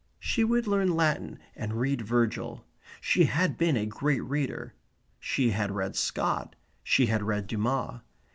She would learn Latin and read Virgil. She had been a great reader. She had read Scott; she had read Dumas.